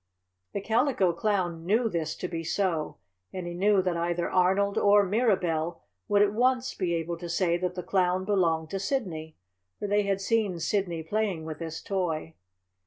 The Calico Clown knew this to be so, and he knew that either Arnold or Mirabell would at once be able to say that the Clown belonged to Sidney, for they had seen Sidney playing with this toy.